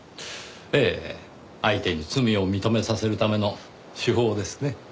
ええ相手に罪を認めさせるための手法ですね。